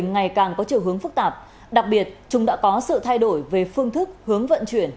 ngày càng có chiều hướng phức tạp đặc biệt chúng đã có sự thay đổi về phương thức hướng vận chuyển